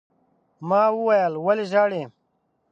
ما وويل: ولې ژاړې؟